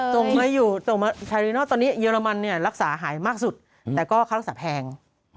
ตรงไหนอยู่ตอนนี้เยอรมันรักษาหายมากสุดแต่ก็เขารักษาแพง